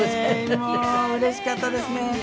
もううれしかったですね。